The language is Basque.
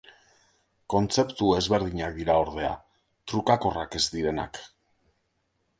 Kontzeptu ezberdinak dira ordea, trukakorrak ez direnak.